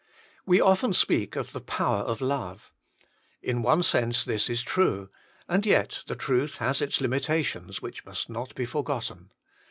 We often speak of the power of love. In one sense this is true ; and yet the truth has its limitations, which must not be forgotten.